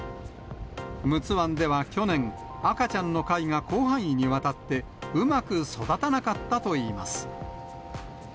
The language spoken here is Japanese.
陸奥湾では去年、赤ちゃんの貝が、広範囲にわたってうまく育たなかったといいます。